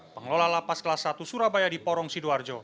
pengelola lapas kelas satu surabaya di porong sidoarjo